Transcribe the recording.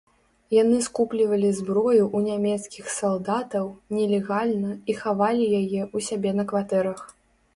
Яны скуплівалі зброю ў нямецкіх салдатаў, нелегальна, і хавалі яе ў сябе на кватэрах.